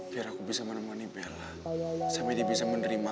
b harus kembali ke amerika